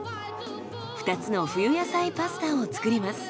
２つの冬野菜パスタを作ります。